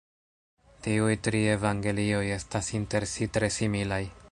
Tiuj tri evangelioj estas inter si tre similaj.